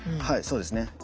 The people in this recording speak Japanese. はいそうですね。